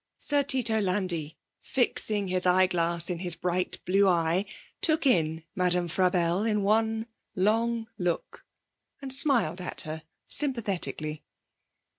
Sir Tito Landi, fixing his eyeglass in his bright blue eye, took in Madame Frabelle in one long look, and smiled at her sympathetically.